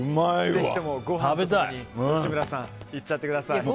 ぜひともご飯の上に吉村さん、いっちゃってください。